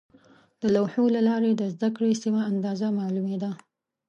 د لوحو له لارې د زده کړې سمه اندازه معلومېده.